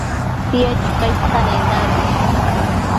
tied chuca istenendambi